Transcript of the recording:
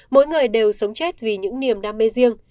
mỗi người đều sống chết vì những niềm đam mê riêng